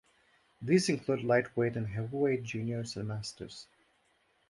These include lightweight and heavyweight, juniors and masters.